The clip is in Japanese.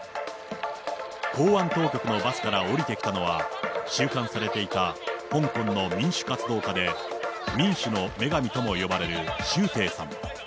公安当局のバスから降りてきたのは、収監されていた香港の民主活動家で、民主の女神とも呼ばれる周庭さん。